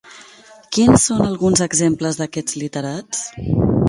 Quins són alguns exemples d'aquests literats?